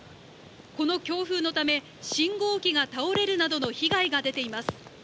この強風のため、信号機が倒れるなどの被害が出ています。